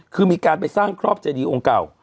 คือมีการไปสร้างครอบเจดีองค์เก่า